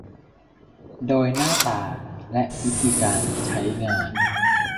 โดยหน้าตาและวิธีการใช้งาน